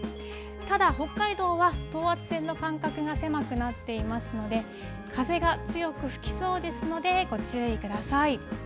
ただ、北海道は等圧線の間隔が狭くなっていますので、風が強く吹きそうですので、ご注意ください。